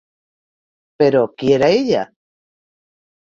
Però, qui era ella?